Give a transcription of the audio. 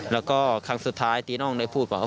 แล้วก็ครั้งสุดท้ายตีน้องได้พูดบอกว่า